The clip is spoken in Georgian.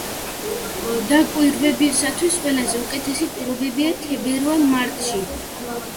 დაკვირვებისათვის ყველაზე უკეთესი პირობებია თებერვალ-მარტში.